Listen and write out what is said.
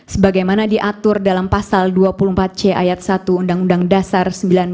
sebagaimana diatur dalam pasal dua puluh empat c ayat satu undang undang dasar seribu sembilan ratus empat puluh lima